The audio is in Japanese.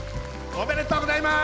おめでとうございます。